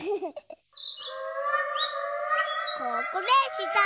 ここでした。